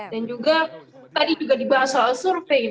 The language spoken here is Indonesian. dan juga tadi juga dibahas soal survei